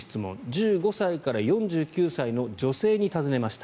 １５歳から４９歳の女性に尋ねました。